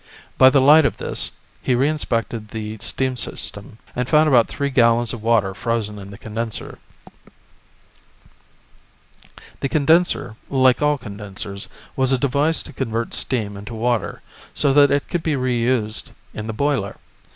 By the light of this, he reinspected the steam system, and found about three gallons of water frozen in the condenser. The condenser, like all condensers, was a device to convert steam into water, so that it could be reused in the boiler.